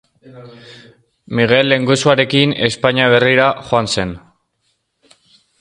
Migel lehengusuarekin Espainia Berrira joan zen.